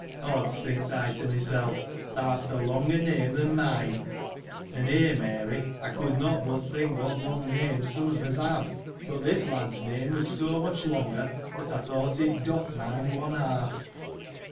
Odds ! thinks I to myself, thou hast a longer name than mine. And here, Mary, I could not but think what long names some of us have ; but this lad's name was so much longer, that I thought it docked mine one half.